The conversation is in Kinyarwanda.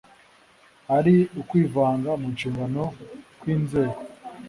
ari ukwivanga mu nshingano kw’inzego